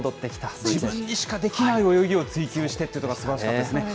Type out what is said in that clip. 自分にしかできない泳ぎを追求してっていうところがすばらしかったですね。